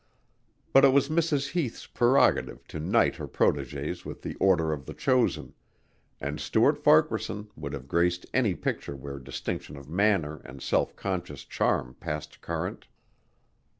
But it was Mrs. Heath's prerogative to knight her protégés with the Order of the Chosen, and Stuart Farquaharson would have graced any picture where distinction of manner and unself conscious charm passed current.